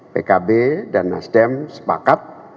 pkb dan nasdem sepakat